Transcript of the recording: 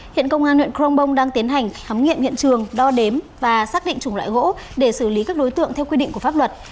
hiện công an huyện crong bông đang tiến hành khám nghiệm hiện trường đo đếm và xác định chủng loại gỗ để xử lý các đối tượng theo quy định của pháp luật